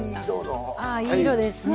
あいい色ですね。